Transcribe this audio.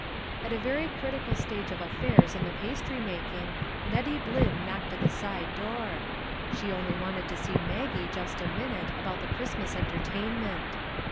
At a very critical stage of affairs in the pastry making, Nettie Blynn knocked at the side door. She only wanted to see Maggie just a minute about the Christmas entertainment.